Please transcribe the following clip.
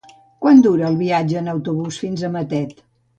Quant dura el viatge en autobús fins a Matet?